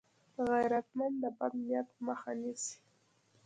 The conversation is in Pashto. غیرتمند د بد نیت مخه نیسي